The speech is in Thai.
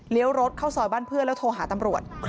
รถเข้าซอยบ้านเพื่อนแล้วโทรหาตำรวจ